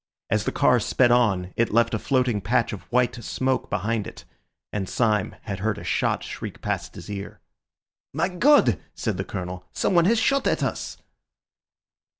As the car sped on it left a floating patch of white smoke behind it, and Syme had heard a shot shriek past his ear. "My God!" said the Colonel, "someone has shot at us."